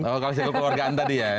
oh kalau sejak keluargaan tadi ya